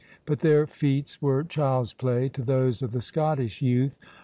But their feats were child's play to those of the Scottish youth.